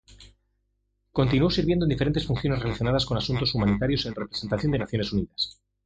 Continuó sirviendo en diferentes funciones relacionadas con asuntos humanitarios en representación de Naciones Unidas.